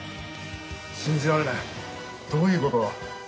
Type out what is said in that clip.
信じられない！どういうことだ。